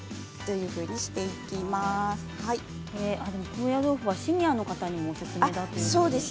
高野豆腐はシニアの方にもおすすめだと。